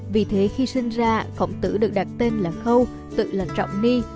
vì thế khi sinh ra khổng tử được đặt tên là khâu tự là trọng ni